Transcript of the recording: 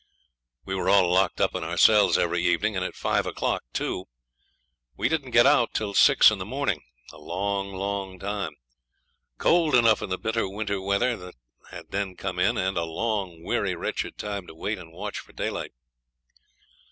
We were all locked up in our cells every evening, and at five o'clock, too. We didn't get out till six in the morning; a long, long time. Cold enough in the bitter winter weather, that had then come in, and a long, weary, wretched time to wait and watch for daylight.